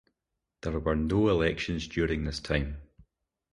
There were no elections during this time.